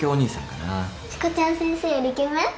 しこちゃん先生よりイケメン？